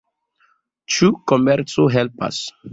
Ĉu komerco helpas?